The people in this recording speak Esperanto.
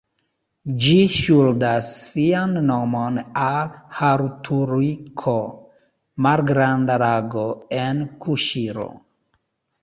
Ĝi ŝuldas sian nomon al "Harutori-ko", malgranda lago en Kuŝiro.